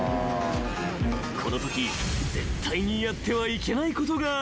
［このとき絶対にやってはいけないことがある］